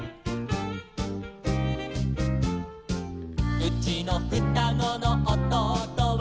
「うちのふたごのおとうとは」